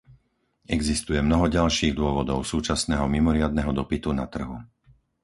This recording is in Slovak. Existuje mnoho ďalších dôvodov súčasného mimoriadneho dopytu na trhu.